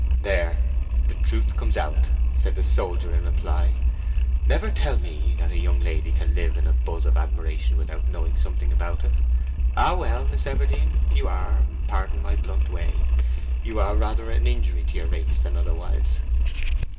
"There the truth comes out!" said the soldier, in reply. "Never tell me that a young lady can live in a buzz of admiration without knowing something about it. Ah, well, Miss Everdene, you are—pardon my blunt way—you are rather an injury to our race than otherwise."